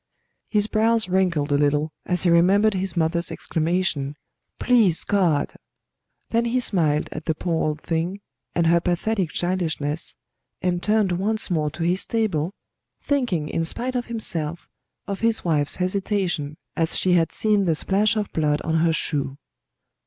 His brows wrinkled a little as he remembered his mother's exclamation, "Please God"; then he smiled at the poor old thing and her pathetic childishness, and turned once more to his table, thinking in spite of himself of his wife's hesitation as she had seen the splash of blood on her shoe.